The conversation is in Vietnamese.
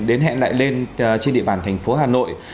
đến hẹn lại lên trên địa bàn thành phố hà nội